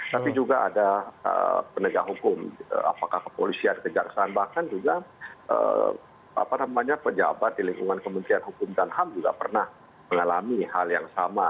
tapi juga ada penegak hukum apakah kepolisian kejaksaan bahkan juga pejabat di lingkungan kementerian hukum dan ham juga pernah mengalami hal yang sama